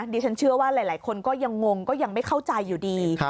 ดิฉันเชื่อว่าหลายคนก็ยังงงก็ยังไม่เข้าใจอยู่ดี